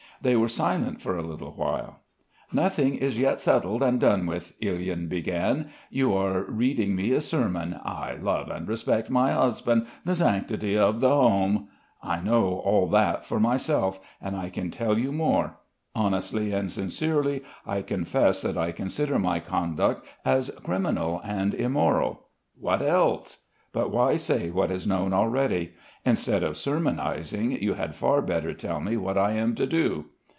They were silent for a little while. "Nothing is yet settled and done with," Ilyin began. "You are reading me a sermon. 'I love and respect my husband ... the sanctity of the home....' I know all that for myself and I can tell you more. Honestly and sincerely I confess that I consider my conduct as criminal and immoral. What else? But why say what is known already? Instead of sermonizing you had far better tell me what I am to do."